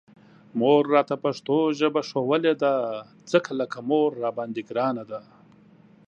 مور راته پښتو ژبه ښودلې ده، ځکه لکه مور راباندې ګرانه ده